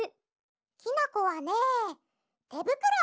きなこはねてぶくろ！